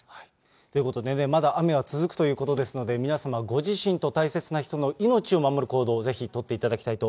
ということで、まだ雨は続くということですので、皆様ご自身と大切な人の命を守る行動をぜひ取っていただきたいと